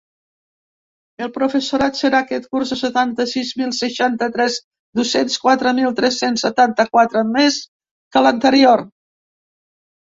El professorat serà aquest curs de setanta-sis mil seixanta-tres docents, quatre mil tres-cents setanta-quatre més que l’anterior.